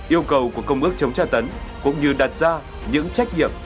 yêu cầu của công ước chống tra tấn cũng như đặt ra những trách nhiệm